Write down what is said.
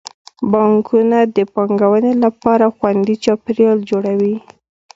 بانکونه د پانګونې لپاره خوندي چاپیریال جوړوي.